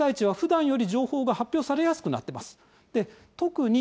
被災地はふだんより情報が発表されやすくなっています。